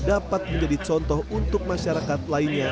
dapat menjadi contoh untuk masyarakat lainnya